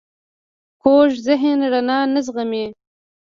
کوږ ذهن رڼا نه زغمي